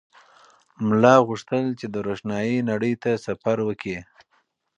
ملا غوښتل چې د روښنایۍ نړۍ ته سفر وکړي.